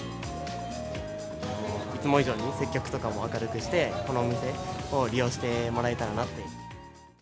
いつも以上に接客とかも明るくして、この店を利用してもらえたらなと。